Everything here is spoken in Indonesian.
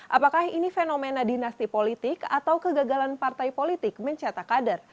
apakah ini fenomena dinasti politik atau kegagalan partai politik mencetak kader